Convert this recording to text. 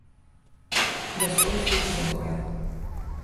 Despois fíxose avogado.